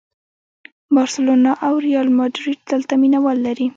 بارسلونا او ریال ماډریډ دلته مینه وال لري.